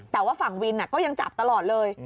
แต่ว่าฝั่งวินก็ยังจับตลอดเลย